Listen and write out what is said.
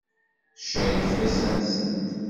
Tcerreg tasa-nsent.